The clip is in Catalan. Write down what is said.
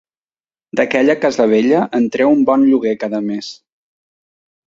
D'aquella casa vella, en treu un bon lloguer cada mes.